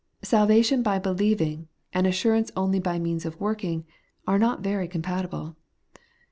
Salvation by believing, and assurance only by means of working, are not very compatible.